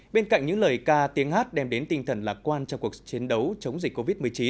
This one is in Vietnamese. bên cạnh những lời ca tiếng hát đem đến tinh thần lạc quan trong cuộc chiến đấu chống dịch covid một mươi chín